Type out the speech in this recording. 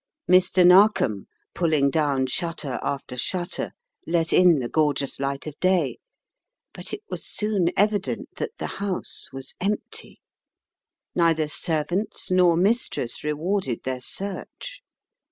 Mr. Narkom, pulling down shutter alter shutter, let in the gorgeous light of day, but it was soon evi dent that the house was empty. Neither servants nor mistress rewarded their search.